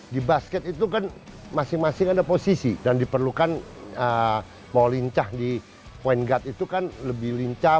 di basket itu kan masing masing ada posisi dan diperlukan mau lincah di point guard itu kan lebih lincah